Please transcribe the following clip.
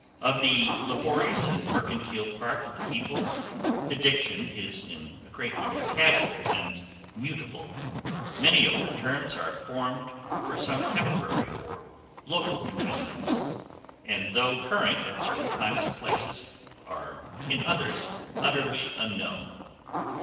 Of the laborious and mercantile part of the people, the diction is in a great measure casual and mutable; many of their terms are formed for some temporary or local convenience, and though current at certain times and places, are in others utterly unknown.